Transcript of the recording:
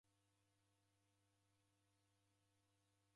Warasimilo nandighi.